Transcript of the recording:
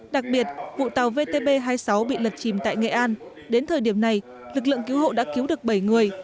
đặc biệt vụ tàu vtb hai mươi sáu bị lật chìm tại nghệ an đến thời điểm này lực lượng cứu hộ đã cứu được bảy người